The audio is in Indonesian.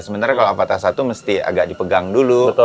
sebenarnya kalau atah satu mesti agak dipegang dulu